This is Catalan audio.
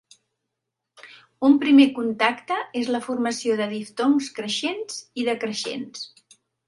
Un primer contacte és la formació de diftongs creixents i decreixents.